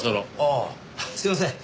ああすいません。